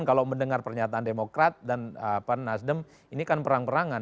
kalau mendengar pernyataan demokrat dan nasdem ini kan perang perangan